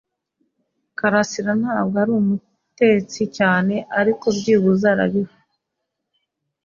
Karasirantabwo ari umutetsi cyane, ariko byibuze arabiha.